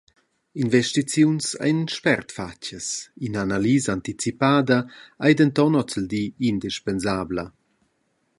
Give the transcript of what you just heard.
Investiziuns ein spert fatgas, ina analisa anticipada ei denton ozildi indispensabla.